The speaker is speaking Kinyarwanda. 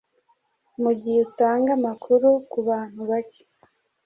mugihe utanga amakuru kubantu bake